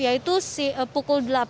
yaitu pukul delapan